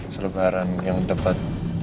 selebaran yang debat